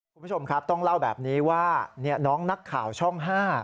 คุณผู้ชมครับต้องเล่าแบบนี้ว่าน้องนักข่าวช่อง๕